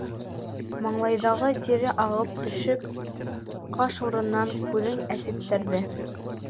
Маңлайҙағы тире ағып төшөп, ҡаш урынын, күҙен әсеттерҙе.